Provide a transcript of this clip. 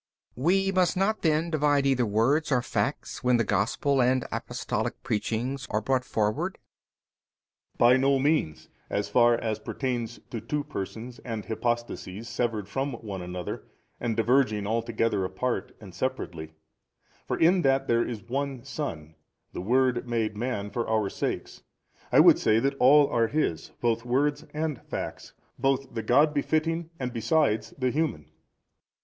B. We must not then divide either words or facts, when the Gospel and Apostolic preachings are brought forward? A. By no means, as far as pertains to two persons and hypostases severed from one another and diverging altogether apart and separately: for in that there is One Son, the Word made Man for our sakes, I would say that all are His, both words and facts, both the God befitting and besides the human.